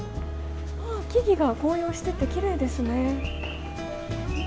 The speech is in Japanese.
あ木々が紅葉しててきれいですね。